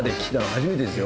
初めてですよ。